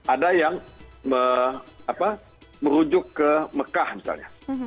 ada yang merujuk ke mekah misalnya